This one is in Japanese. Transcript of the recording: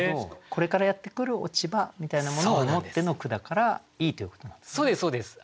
これからやってくる落葉みたいなものを思っての句だからいいということなんですね。